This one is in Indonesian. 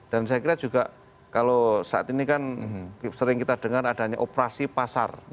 dan saya kira juga kalau saat ini kan sering kita dengar adanya operasi pasar